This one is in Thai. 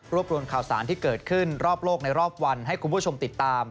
รวมข่าวสารที่เกิดขึ้นรอบโลกในรอบวันให้คุณผู้ชมติดตาม